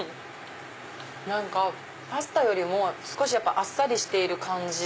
何かパスタよりも少しあっさりしている感じ。